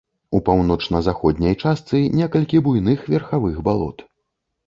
У паўночна-заходняй частцы некалькі буйных верхавых балот.